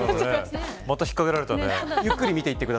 また引っかけられたね。